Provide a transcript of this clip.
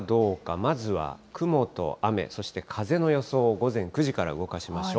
まずは雲と雨、そして風の予想を午前９時から動かしましょう。